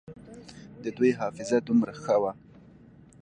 د دوى حافظه دومره ښه وه.